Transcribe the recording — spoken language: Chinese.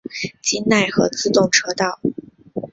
京奈和自动车道。